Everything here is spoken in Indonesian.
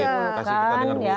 kasih kita dengan bu